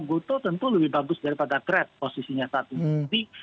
butuh tentu lebih bagus daripada grab posisinya saat ini